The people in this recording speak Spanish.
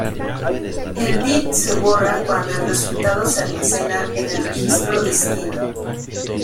El bit se borra cuando el resultado se almacena en el registro destino.